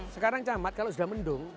sekarang camat kalau sudah mendung